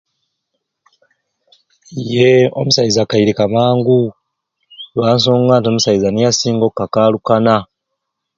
Yeeee omusaiza akairikire mangu olwa nsonga nti omusaiza niye asinga okakalukana.